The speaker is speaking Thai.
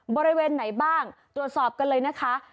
บริเวณไหนบ้างตรวจสอบกันเลยนะคะ